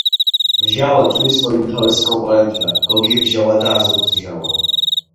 მჟავა წვიმის ორი უმთავრესი კომპონენტია გოგირდმჟავა და აზოტმჟავა.